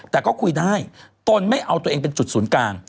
แต่ก็คุยได้ตนไม่เอาตัวเองเป็นจุดศูนย์กลาง